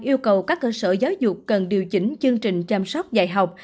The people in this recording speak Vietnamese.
yêu cầu các cơ sở giáo dục cần điều chỉnh chương trình chăm sóc dạy học